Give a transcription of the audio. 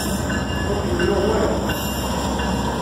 Ur kem-yuɣ wara?